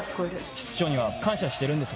室長には感謝してるんです。